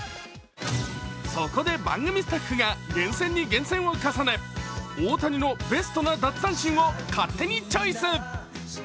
そこで番組スタッフが厳選に厳選を重ね大谷のベストな奪三振を勝手にチョイス！